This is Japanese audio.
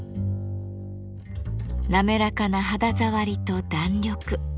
滑らかな肌触りと弾力。